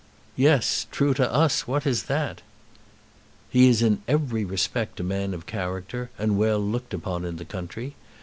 "Yes; true to us! What is that?" "He is in every respect a man of character, and well looked upon in the country.